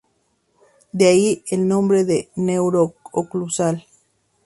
De ahí, el nombre "neuro-oclusal".